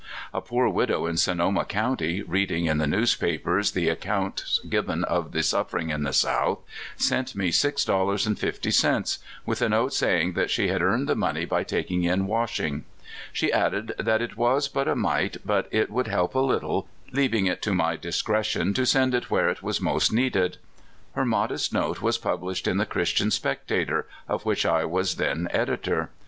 A poor widow iu Sonoma county, reading in the newspapers the accounts given of the suffering in tlie South, sent me six dollars and fifty cents, with a note saying she had earned the money by taking in washing. She added that it was but a mite, but it would help a little, leaving it to my discretion to send it where it w^as most needed. Her modest note was published in The Christian Sjoectator, of which I w^as then editor.